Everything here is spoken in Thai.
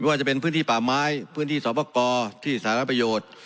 ว่าจะเป็นพื้นที่ป่าไม้พื้นที่สอบประกอบที่สารประโยชน์